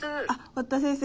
堀田先生。